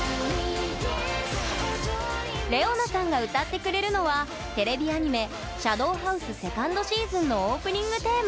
ＲｅｏＮａさんが歌ってくれるのはテレビアニメ「シャドーハウス２ｎｄＳｅａｓｏｎ」のオープニングテーマ